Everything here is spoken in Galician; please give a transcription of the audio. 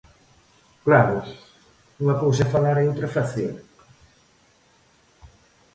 Claro, unha cousa é falar e outra facer.